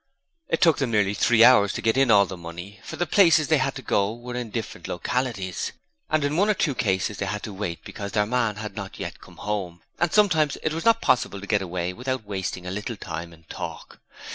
It took them nearly three hours to get in all the money, for the places they had to go to were in different localities, and in one or two cases they had to wait because their man had not yet come home, and sometimes it was not possible to get away without wasting a little time in talk.